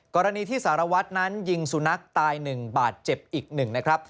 กรณีที่สารวัตรนั้นยิงสุนัขตาย๑บาทเจ็บอีก๑นะครับ